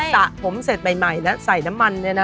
สระผมเสร็จใหม่แล้วใส่น้ำมันเนี่ยนะ